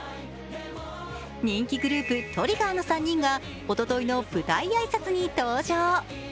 人気グループ・ＴＲＩＧＧＥＲの３人がおとといの舞台挨拶に登場。